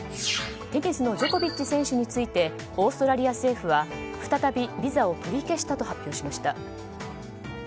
テニスのジョコビッチ選手についてオーストラリア政府は再びビザを取り消したと発表しました。